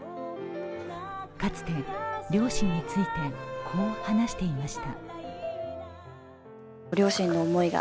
かつて、両親について、こう話していました。